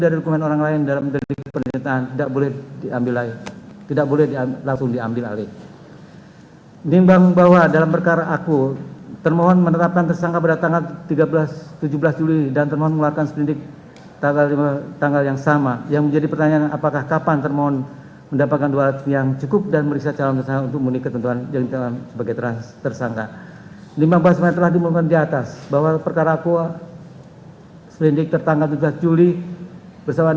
dan memperoleh informasi yang benar jujur tidak diskriminasi tentang kinerja komisi pemberantasan korupsi harus dipertanggungjawab